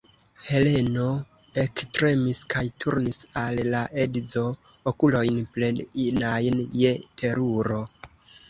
Heleno ektremis kaj turnis al la edzo okulojn, plenajn je teruro.